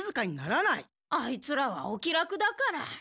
あいつらはお気楽だから。